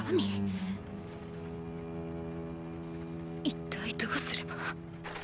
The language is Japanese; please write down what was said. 一体どうすれば。